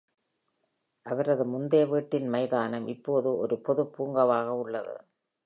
அவரது முந்தைய வீட்டின் மைதானம் இப்போது ஒரு பொது பூங்காவாக உள்ளது.